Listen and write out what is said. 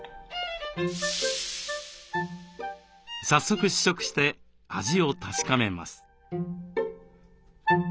早速試食して味を確かめます。